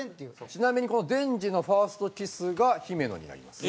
ちなみにこのデンジのファーストキスが姫野になります。